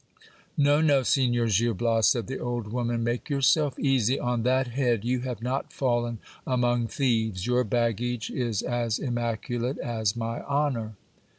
No, no, Signor Gil Bias, said the old woman, make yourself easy on that head ; you have not fallen among thieves. Your baggage is as immaculate as my honour.